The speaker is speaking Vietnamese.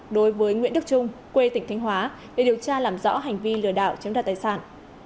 đối với nguyễn đức trung quê tỉnh thanh hóa để điều tra làm rõ hành vi lừa đảo chiếm đoạt tài sản